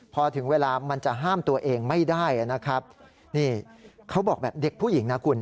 พอถึงเวลามันจะห้ามตัวเองไม่ได้นะครับนี่เขาบอกแบบเด็กผู้หญิงนะคุณ